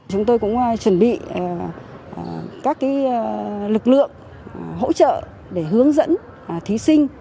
chúng tôi cũng chuẩn bị các lực lượng hỗ trợ để hướng dẫn thí sinh